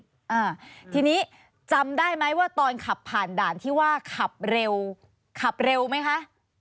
อ่าทีนี้จำได้ไหมว่าตอนขับผ่านด่านที่ว่าขับเร็วขับเร็วไหมคะ